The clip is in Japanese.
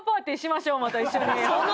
また一緒に。